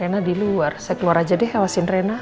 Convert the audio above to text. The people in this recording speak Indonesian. rena di luar saya keluar aja deh kawasin rena